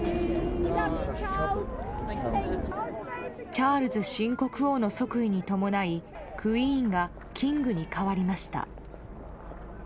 チャールズ新国王の即位に伴い「クイーン」が「キング」に変わりました。